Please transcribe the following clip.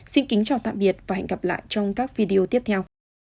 xin kính chào tạm biệt và hẹn gặp lại trong các video tiếp theo